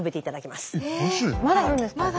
まだあるんですか。